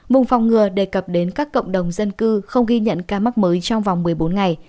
vùng phòng ngừa đề cập đến các cộng đồng dân cư không ghi nhận ca mắc mới trong vòng một mươi bốn ngày